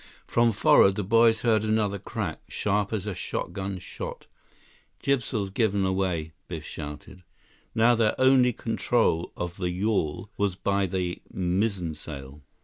From forward, the boys heard another crack, sharp as a shotgun shot. "Jibsail's given away," Biff shouted. Now their only control of the yawl was by the mizzensail.